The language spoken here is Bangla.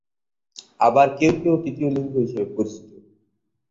আবার কেউ কেউ তৃতীয় লিঙ্গ হিসেবে পরিচিত।